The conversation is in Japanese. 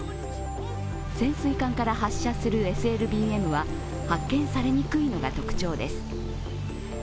潜水艦から発射するＳＬＢＭは発見されにくいのが特徴です。